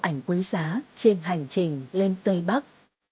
ảnh quý giá trên hành trình lên tây bắc